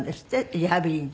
リハビリで。